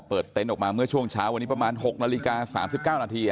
พอเปิดเต็นต์ออกมาเมื่อช่วงเช้าวันนี้ประมาณหกนาฬิกาสามสิบเก้านาทีอ่ะ